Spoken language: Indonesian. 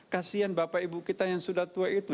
kasian bapak ibu kita yang sudah tua itu